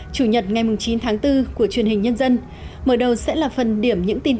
cảm ơn các bạn đã theo dõi